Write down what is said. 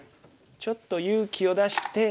ちょっと勇気を出して二段バネ。